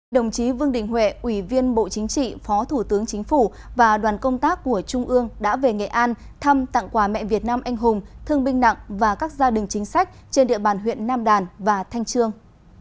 đồng chí vương đình huệ ủy viên bộ chính trị phó thủ tướng chính phủ và đoàn công tác của trung ương đã về nghệ an thăm tặng quà mẹ việt nam anh hùng thương binh nặng và các gia đình chính sách trên địa bàn huyện nam đàn và thanh trương